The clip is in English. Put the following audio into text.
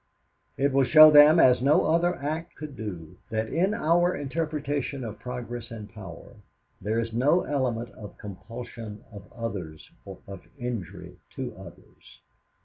It will show them as no other act could do that in our interpretation of progress and power, there is no element of compulsion of others or of injury to others.